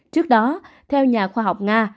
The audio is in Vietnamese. trước đó theo nhà khoa học nga